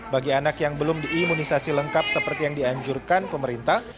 bagi anak yang belum diimunisasi lengkap seperti yang dianjurkan pemerintah